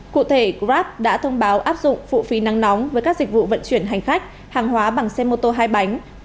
cụ thể grab đã thông báo áp dụng phụ phí nắng nóng với các dịch vụ vận chuyển hành khách hàng hóa bằng xe mô tô hai bánh